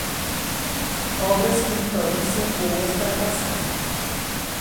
Obras com pão são boas para passar.